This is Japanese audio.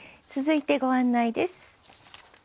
続いてご案内です。